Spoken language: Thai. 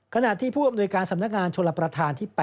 ขณะที่ผู้อำนวยการสำนักงานชลประธานที่๘